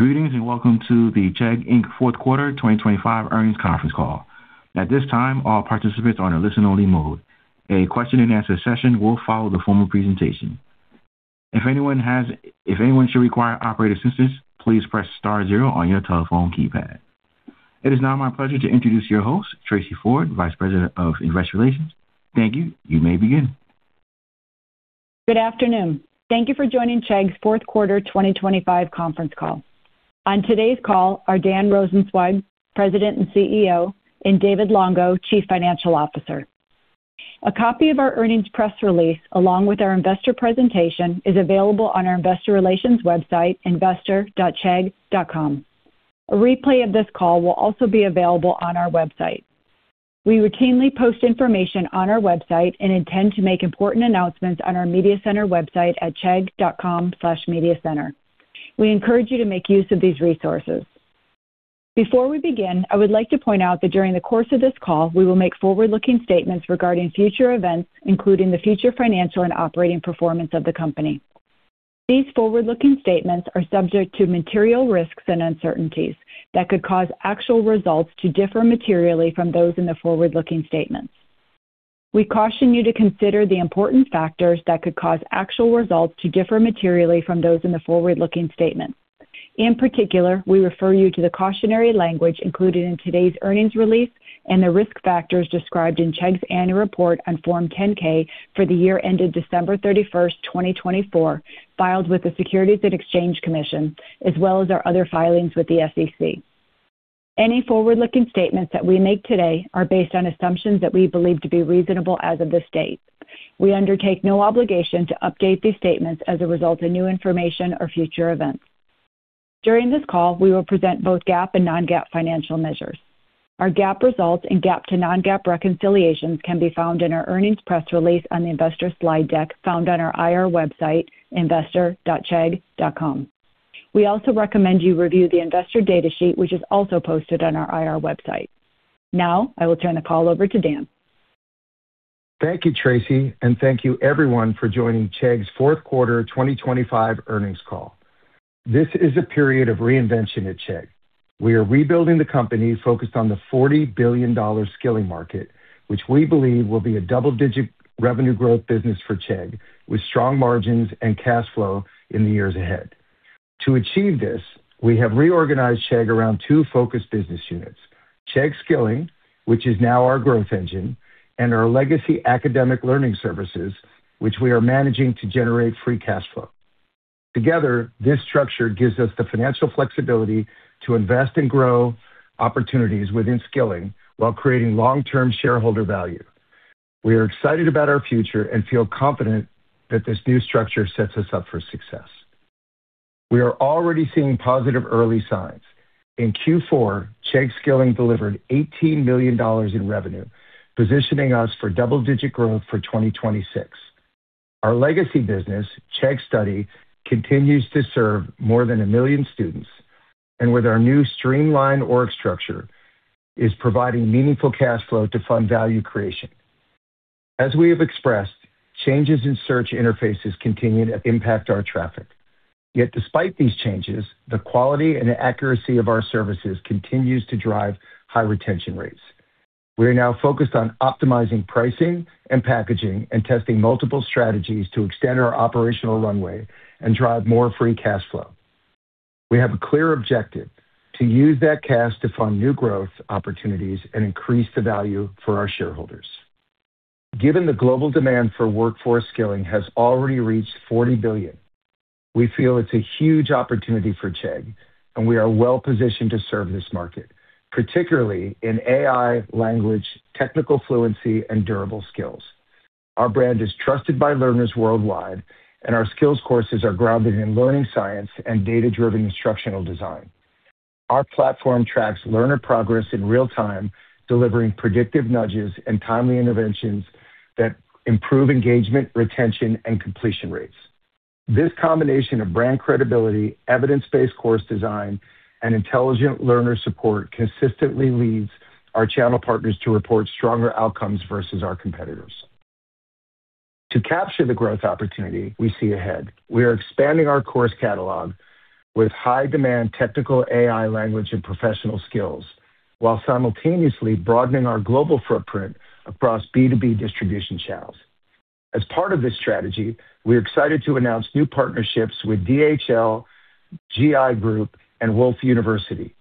Good evening and welcome to the Chegg, Inc. Fourth Quarter 2025 Earnings Conference Call. At this time, all participants are in a listen-only mode. A question-and-answer session will follow the formal presentation. If anyone should require operator assistance, please press star zero on your telephone keypad. It is now my pleasure to introduce your host, Tracey Ford, Vice President of Investor Relations. Thank you. You may begin. Good afternoon. Thank you for joining Chegg's Fourth Quarter 2025 conference call. On today's call are Dan Rosensweig, President and CEO; and David Longo, Chief Financial Officer. A copy of our earnings press release, along with our investor presentation, is available on our investor relations website, investor.chegg.com. A replay of this call will also be available on our website. We routinely post information on our website and intend to make important announcements on our media center website at chegg.com/mediacenter. We encourage you to make use of these resources. Before we begin, I would like to point out that during the course of this call, we will make forward-looking statements regarding future events, including the future financial and operating performance of the company. These forward-looking statements are subject to material risks and uncertainties that could cause actual results to differ materially from those in the forward-looking statements. We caution you to consider the important factors that could cause actual results to differ materially from those in the forward-looking statements. In particular, we refer you to the cautionary language included in today's earnings release and the risk factors described in Chegg's annual report on Form 10-K for the year ended December 31st, 2024, filed with the Securities and Exchange Commission, as well as our other filings with the SEC. Any forward-looking statements that we make today are based on assumptions that we believe to be reasonable as of this date. We undertake no obligation to update these statements as a result of new information or future events. During this call, we will present both GAAP and non-GAAP financial measures. Our GAAP results and GAAP to non-GAAP reconciliations can be found in our earnings press release on the investor slide deck found on our IR website, investor.chegg.com. We also recommend you review the investor data sheet, which is also posted on our IR website. Now, I will turn the call over to Dan. Thank you, Tracey, and thank you everyone for joining Chegg's Fourth Quarter 2025 earnings call. This is a period of reinvention at Chegg. We are rebuilding the company focused on the $40 billion skilling market, which we believe will be a double-digit revenue growth business for Chegg, with strong margins and cash flow in the years ahead. To achieve this, we have reorganized Chegg around two focused business units: Chegg Skilling, which is now our growth engine, and our legacy academic learning services, which we are managing to generate free cash flow. Together, this structure gives us the financial flexibility to invest and grow opportunities within skilling while creating long-term shareholder value. We are excited about our future and feel confident that this new structure sets us up for success. We are already seeing positive early signs. In Q4, Chegg Skilling delivered $18 million in revenue, positioning us for double-digit growth for 2026. Our legacy business, Chegg Study, continues to serve more than a million students, and with our new streamlined org structure, is providing meaningful cash flow to fund value creation. As we have expressed, changes in search interfaces continue to impact our traffic. Yet despite these changes, the quality and accuracy of our services continues to drive high retention rates. We are now focused on optimizing pricing and packaging and testing multiple strategies to extend our operational runway and drive more free cash flow. We have a clear objective: to use that cash to fund new growth opportunities and increase the value for our shareholders. Given the global demand for workforce skilling has already reached $40 billion, we feel it's a huge opportunity for Chegg, and we are well positioned to serve this market, particularly in AI, language, technical fluency, and durable skills. Our brand is trusted by learners worldwide, and our skills courses are grounded in learning science and data-driven instructional design. Our platform tracks learner progress in real time, delivering predictive nudges and timely interventions that improve engagement, retention, and completion rates. This combination of brand credibility, evidence-based course design, and intelligent learner support consistently leads our channel partners to report stronger outcomes versus our competitors. To capture the growth opportunity we see ahead, we are expanding our course catalog with high-demand technical AI language and professional skills while simultaneously broadening our global footprint across B2B distribution channels. As part of this strategy, we are excited to announce new partnerships with DHL, Gi Group, and Woolf University.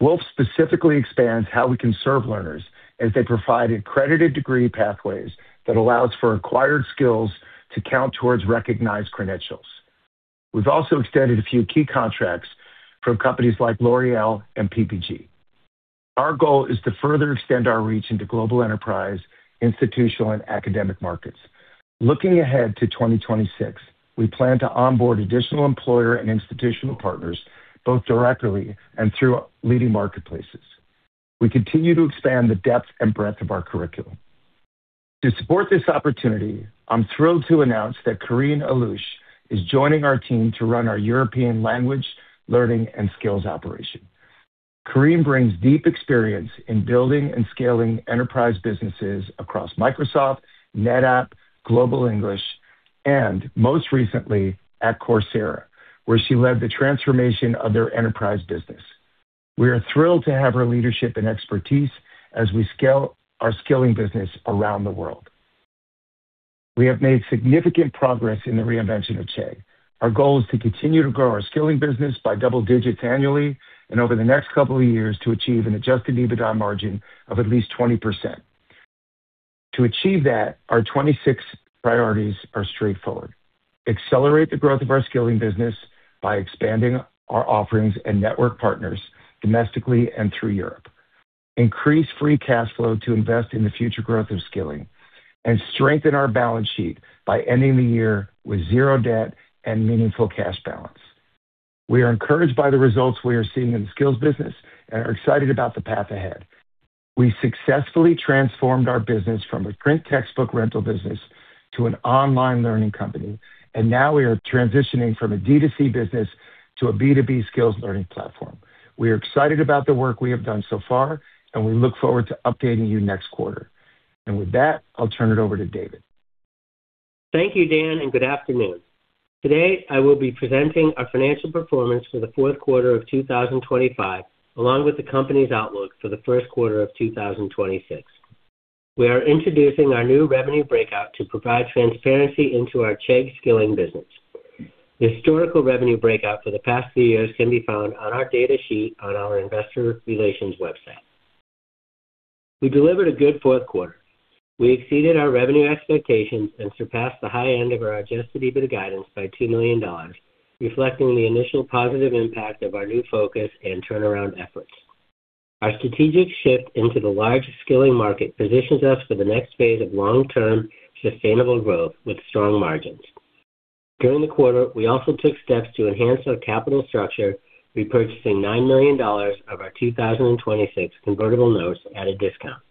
Woolf specifically expands how we can serve learners as they provide accredited degree pathways that allow us for acquired skills to count towards recognized credentials. We've also extended a few key contracts from companies like L'Oréal and PPG. Our goal is to further extend our reach into global enterprise, institutional, and academic markets. Looking ahead to 2026, we plan to onboard additional employer and institutional partners, both directly and through leading marketplaces. We continue to expand the depth and breadth of our curriculum. To support this opportunity, I'm thrilled to announce that Karine Allouche is joining our team to run our European language learning and skills operation. Allouche brings deep experience in building and scaling enterprise businesses across Microsoft, NetApp, GlobalEnglish, and most recently at Coursera, where she led the transformation of their enterprise business. We are thrilled to have her leadership and expertise as we scale our skilling business around the world. We have made significant progress in the reinvention of Chegg. Our goal is to continue to grow our skilling business by double digits annually and over the next couple of years to achieve an adjusted EBITDA margin of at least 20%. To achieve that, our 2026 priorities are straightforward: accelerate the growth of our skilling business by expanding our offerings and network partners domestically and through Europe; increase free cash flow to invest in the future growth of skilling; and strengthen our balance sheet by ending the year with zero debt and meaningful cash balance. We are encouraged by the results we are seeing in the skills business and are excited about the path ahead. We successfully transformed our business from a print textbook rental business to an online learning company, and now we are transitioning from a D2C business to a B2B skills learning platform. We are excited about the work we have done so far, and we look forward to updating you next quarter. With that, I'll turn it over to David. Thank you, Dan, and good afternoon. Today, I will be presenting our financial performance for the fourth quarter of 2025, along with the company's outlook for the first quarter of 2026. We are introducing our new revenue breakout to provide transparency into our Chegg Skilling business. The historical revenue breakout for the past few years can be found on our data sheet on our investor relations website. We delivered a good fourth quarter. We exceeded our revenue expectations and surpassed the high end of our Adjusted EBITDA guidance by $2 million, reflecting the initial positive impact of our new focus and turnaround efforts. Our strategic shift into the large skilling market positions us for the next phase of long-term sustainable growth with strong margins. During the quarter, we also took steps to enhance our capital structure, repurchasing $9 million of our 2026 convertible notes at a discount.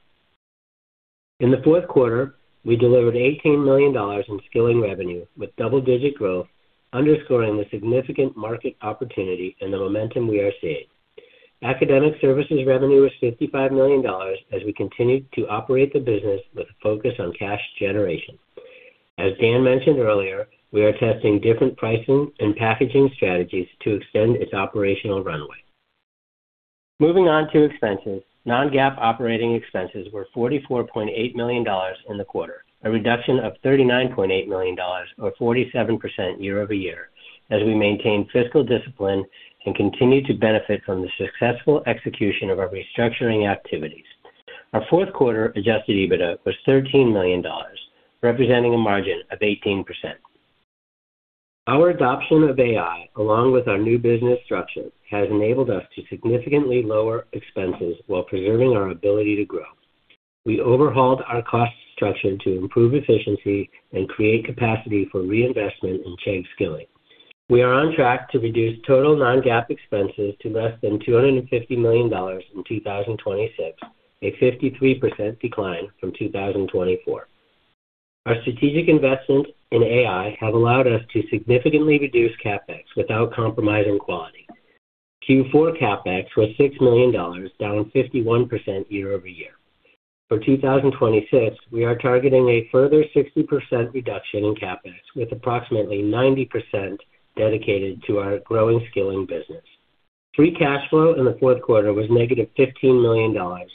In the fourth quarter, we delivered $18 million in skilling revenue with double-digit growth, underscoring the significant market opportunity and the momentum we are seeing. Academic services revenue was $55 million as we continued to operate the business with a focus on cash generation. As Dan mentioned earlier, we are testing different pricing and packaging strategies to extend its operational runway. Moving on to expenses, non-GAAP operating expenses were $44.8 million in the quarter, a reduction of $39.8 million or 47% year-over-year, as we maintain fiscal discipline and continue to benefit from the successful execution of our restructuring activities. Our fourth quarter adjusted EBITDA was $13 million, representing a margin of 18%. Our adoption of AI, along with our new business structure, has enabled us to significantly lower expenses while preserving our ability to grow. We overhauled our cost structure to improve efficiency and create capacity for reinvestment in Chegg Skilling. We are on track to reduce total Non-GAAP expenses to less than $250 million in 2026, a 53% decline from 2024. Our strategic investments in AI have allowed us to significantly reduce Capex without compromising quality. Q4 Capex was $6 million, down 51% year-over-year. For 2026, we are targeting a further 60% reduction in Capex, with approximately 90% dedicated to our growing skilling business. Free Cash Flow in the fourth quarter was -$15 million,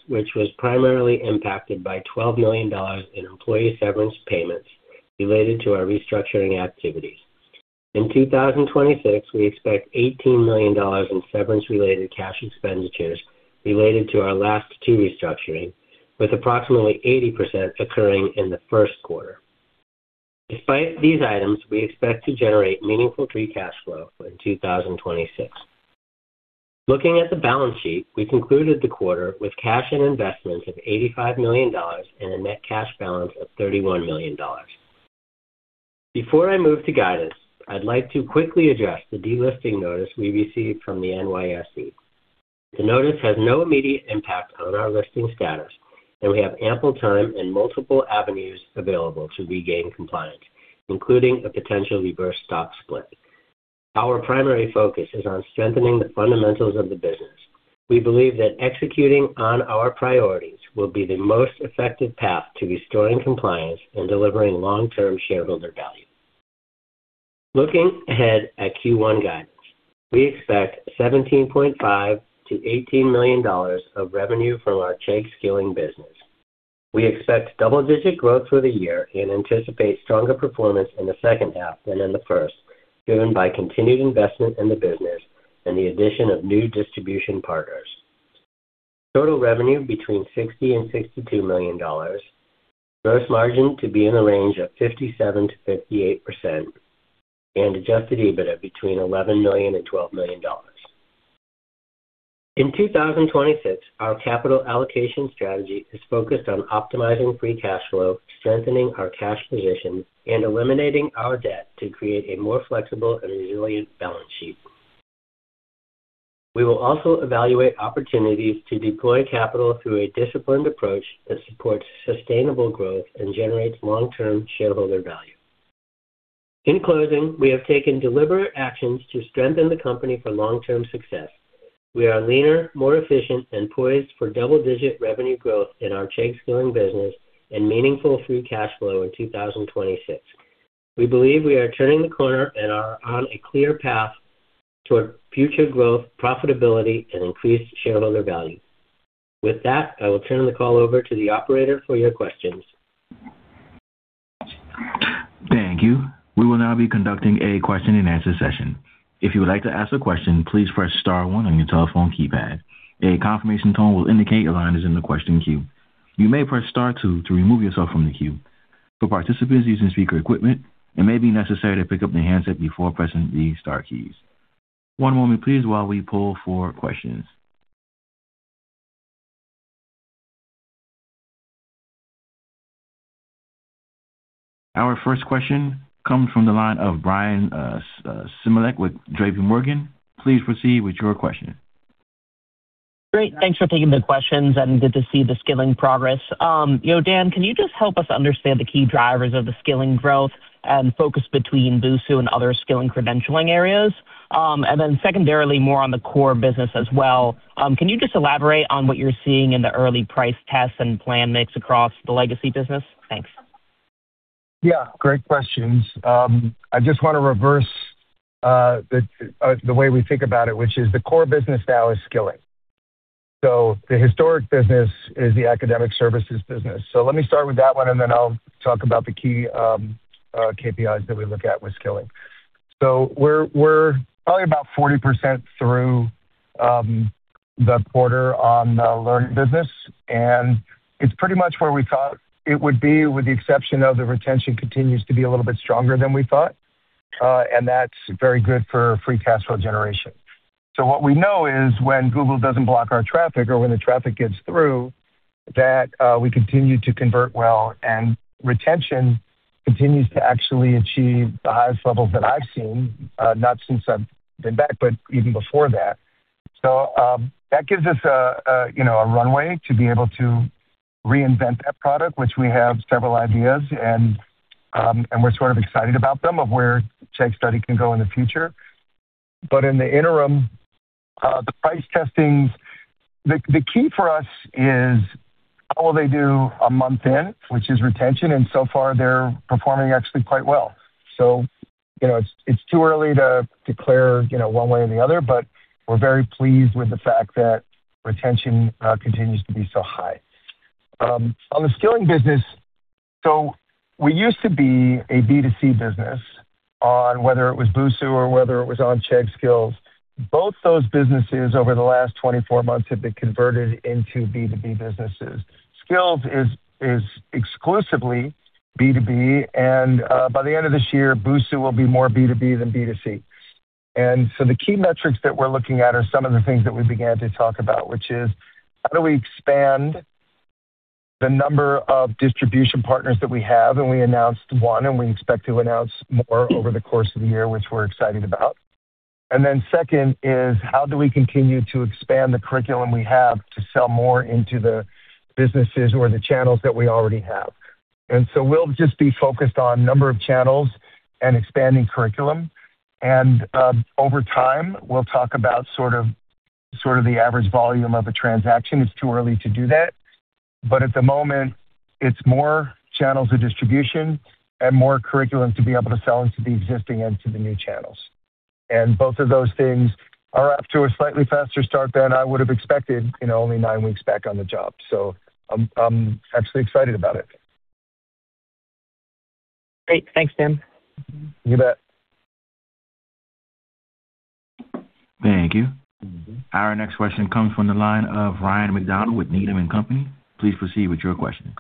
which was primarily impacted by $12 million in employee severance payments related to our restructuring activities. In 2026, we expect $18 million in severance-related cash expenditures related to our last two restructuring, with approximately 80% occurring in the first quarter. Despite these items, we expect to generate meaningful Free Cash Flow in 2026. Looking at the balance sheet, we concluded the quarter with cash and investments of $85 million and a net cash balance of $31 million. Before I move to guidance, I'd like to quickly address the delisting notice we received from the NYSE. The notice has no immediate impact on our listing status, and we have ample time and multiple avenues available to regain compliance, including a potential reverse stock split. Our primary focus is on strengthening the fundamentals of the business. We believe that executing on our priorities will be the most effective path to restoring compliance and delivering long-term shareholder value. Looking ahead at Q1 guidance, we expect $17.5 million-$18 million of revenue from our Chegg Skilling business. We expect double-digit growth through the year and anticipate stronger performance in the second half than in the first, driven by continued investment in the business and the addition of new distribution partners. Total revenue $60 million-$62 million, gross margin 57%-58%, and adjusted EBITDA $11 million-$12 million. In 2026, our capital allocation strategy is focused on optimizing free cash flow, strengthening our cash position, and eliminating our debt to create a more flexible and resilient balance sheet. We will also evaluate opportunities to deploy capital through a disciplined approach that supports sustainable growth and generates long-term shareholder value. In closing, we have taken deliberate actions to strengthen the company for long-term success. We are leaner, more efficient, and poised for double-digit revenue growth in our Chegg Skilling business and meaningful free cash flow in 2026. We believe we are turning the corner and are on a clear path toward future growth, profitability, and increased shareholder value. With that, I will turn the call over to the operator for your questions. Thank you. We will now be conducting a question-and-answer session. If you would like to ask a question, please press star one on your telephone keypad. A confirmation tone will indicate your line is in the question queue. You may press star two to remove yourself from the queue. For participants using speaker equipment, it may be necessary to pick up the handset before pressing the star keys. One moment, please, while we pull for questions. Our first question comes from the line of Bryan Smilek with JPMorgan. Please proceed with your question. Great. Thanks for taking the questions, and good to see the skilling progress. Dan, can you just help us understand the key drivers of the skilling growth and focus between Busuu and other skilling credentialing areas? And then secondarily, more on the core business as well. Can you just elaborate on what you're seeing in the early price tests and plan mix across the legacy business? Thanks. Yeah. Great questions. I just want to reverse the way we think about it, which is the core business now is skilling. So the historic business is the academic services business. So let me start with that one, and then I'll talk about the key KPIs that we look at with skilling. So we're probably about 40% through the quarter on the learning business, and it's pretty much where we thought it would be, with the exception of the retention continues to be a little bit stronger than we thought, and that's very good for free cash flow generation. So what we know is when Google doesn't block our traffic or when the traffic gets through, that we continue to convert well, and retention continues to actually achieve the highest levels that I've seen, not since I've been back, but even before that. So that gives us a runway to be able to reinvent that product, which we have several ideas, and we're sort of excited about them, of where Chegg Study can go in the future. But in the interim, the price testings, the key for us is how will they do a month in, which is retention, and so far they're performing actually quite well. So it's too early to declare one way or the other, but we're very pleased with the fact that retention continues to be so high. On the skilling business, so we used to be a B2C business on whether it was Busuu or whether it was on Chegg Skills. Both those businesses over the last 24 months have been converted into B2B businesses. Skills is exclusively B2B, and by the end of this year, Busuu will be more B2B than B2C. And so the key metrics that we're looking at are some of the things that we began to talk about, which is how do we expand the number of distribution partners that we have, and we announced one, and we expect to announce more over the course of the year, which we're excited about. And then second is how do we continue to expand the curriculum we have to sell more into the businesses or the channels that we already have? And so we'll just be focused on number of channels and expanding curriculum. And over time, we'll talk about sort of the average volume of a transaction. It's too early to do that. But at the moment, it's more channels of distribution and more curriculum to be able to sell into the existing and to the new channels. Both of those things are off to a slightly faster start than I would have expected only nine weeks back on the job. I'm actually excited about it. Great. Thanks, Dan. You bet. Thank you. Our next question comes from the line of Ryan MacDonald with Needham & Company. Please proceed with your question.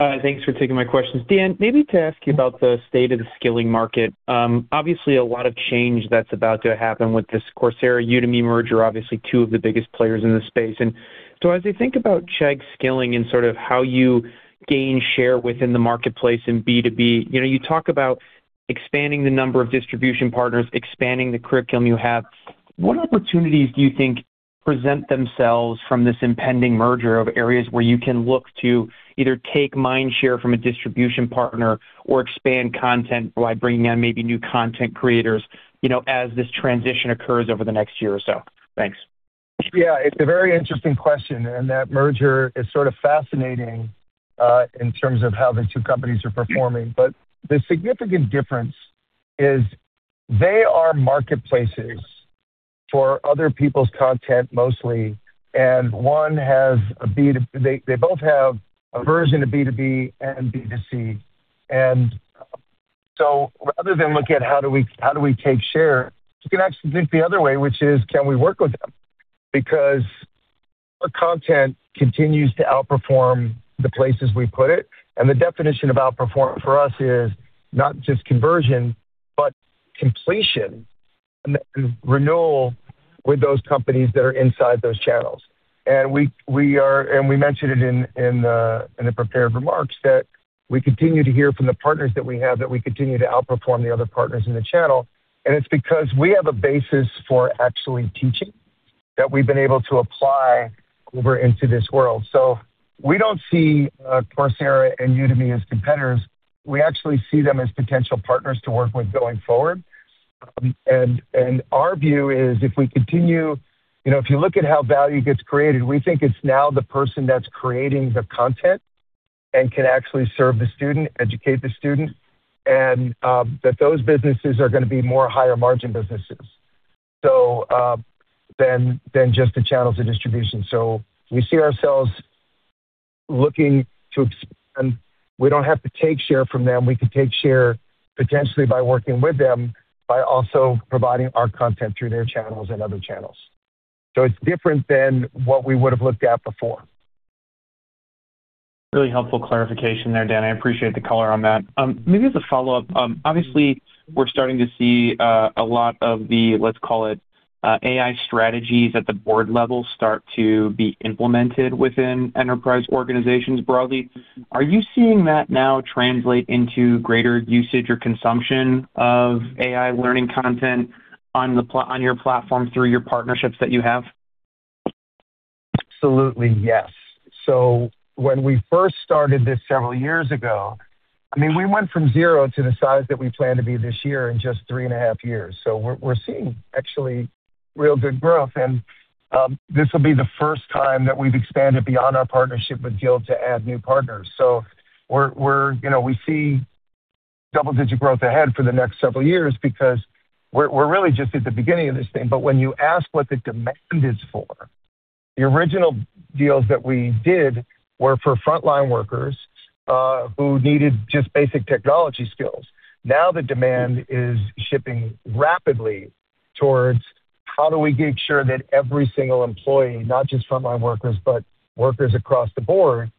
Thanks for taking my questions. Dan, maybe to ask you about the state of the skilling market. Obviously, a lot of change that's about to happen with this Coursera/Udemy merger obviously two of the biggest players in the space. And so as they think about Chegg Skilling and sort of how you gain share within the marketplace in B2B, you talk about expanding the number of distribution partners, expanding the curriculum you have. What opportunities do you think present themselves from this impending merger of areas where you can look to either take mindshare from a distribution partner or expand content by bringing on maybe new content creators as this transition occurs over the next year or so? Thanks. Yeah. It's a very interesting question, and that merger is sort of fascinating in terms of how the two companies are performing. But the significant difference is they are marketplaces for other people's content mostly, and one has a B2B, they both have a version of B2B and B2C. And so rather than look at how do we take share, you can actually think the other way, which is can we work with them? Because our content continues to outperform the places we put it, and the definition of outperform for us is not just conversion, but completion and renewal with those companies that are inside those channels. And we mentioned it in the prepared remarks that we continue to hear from the partners that we have that we continue to outperform the other partners in the channel. It's because we have a basis for actually teaching that we've been able to apply over into this world. We don't see Coursera and Udemy as competitors. We actually see them as potential partners to work with going forward. Our view is, if you look at how value gets created, we think it's now the person that's creating the content and can actually serve the student, educate the student, and that those businesses are going to be more higher-margin businesses than just the channels of distribution. We see ourselves looking to expand. We don't have to take share from them. We could take share potentially by working with them by also providing our content through their channels and other channels. It's different than what we would have looked at before. Really helpful clarification there, Dan. I appreciate the color on that. Maybe as a follow-up, obviously, we're starting to see a lot of the, let's call it, AI strategies at the board level start to be implemented within enterprise organizations broadly. Are you seeing that now translate into greater usage or consumption of AI learning content on your platform through your partnerships that you have? Absolutely, yes. So when we first started this several years ago, I mean, we went from 0 to the size that we plan to be this year in just three and a half years. So we're seeing actually real good growth. And this will be the first time that we've expanded beyond our partnership with Guild to add new partners. So we see double-digit growth ahead for the next several years because we're really just at the beginning of this thing. But when you ask what the demand is for, the original deals that we did were for frontline workers who needed just basic technology skills. Now the demand is shifting rapidly towards how do we make sure that every single employee, not just frontline workers, but workers across the board,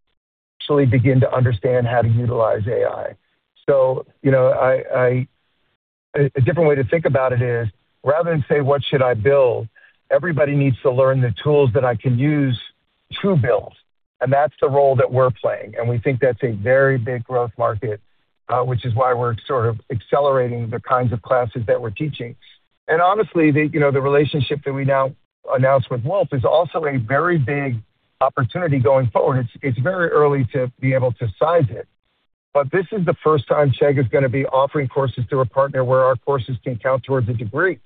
actually begin to understand how to utilize AI? A different way to think about it is rather than say, "What should I build?" everybody needs to learn the tools that I can use to build. That's the role that we're playing. We think that's a very big growth market, which is why we're sort of accelerating the kinds of classes that we're teaching. Honestly, the relationship that we now announced with Woolf is also a very big opportunity going forward. It's very early to be able to size it. This is the first time Chegg is going to be offering courses through a partner where our courses can count towards a degree.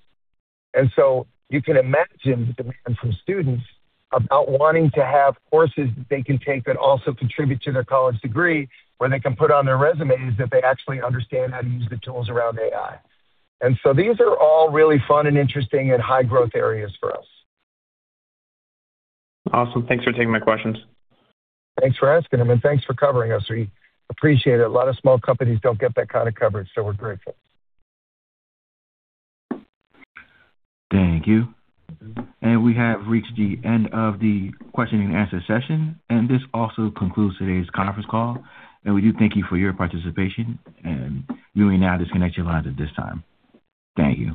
And so you can imagine the demand from students about wanting to have courses that they can take that also contribute to their college degree, where they can put on their resumes, that they actually understand how to use the tools around AI. And so these are all really fun and interesting and high-growth areas for us. Awesome. Thanks for taking my questions. Thanks for asking them, and thanks for covering us. We appreciate it. A lot of small companies don't get that kind of coverage, so we're grateful. Thank you. We have reached the end of the question-and-answer session, and this also concludes today's conference call. We do thank you for your participation, and we may now disconnect your lines at this time. Thank you.